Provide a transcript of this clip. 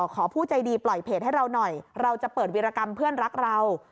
ขอผู้ใจดีปล่อยเพจให้เราหน่อยเราจะเปิดวิรกรรมเพื่อนรักเรา